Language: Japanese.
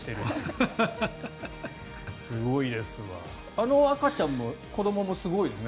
あの赤ちゃんもすごいですね。